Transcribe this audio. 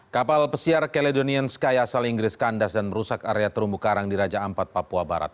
kapal pesiar caledonian sky asal inggris kandas dan merusak area terumbu karang di raja ampat papua barat